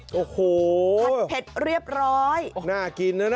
โอ้โหผัดเผ็ดเรียบร้อยน่ากินนะนะ